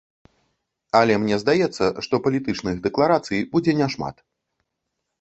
Але мне здаецца, што палітычных дэкларацый будзе няшмат.